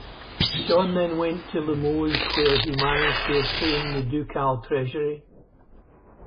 John then went to Limoges where he managed to obtain the ducal treasury.